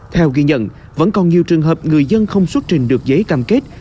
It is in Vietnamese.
theo ghi nhận vẫn còn nhiều trường hợp người dân không xuất trình được giấy cam kết